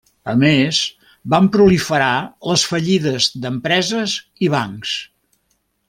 A més, van proliferar les fallides d'empreses i bancs.